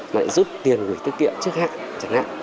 lại giúp tiền gửi tiết kiệm trước hạng chẳng hạn